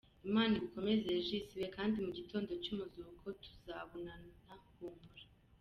Imana igukomeze Regis we knd mugitondo cyumuzuko tuzababona humura.